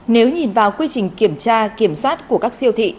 nếu nhìn vào quy trình kiểm tra kiểm soát của các siêu thị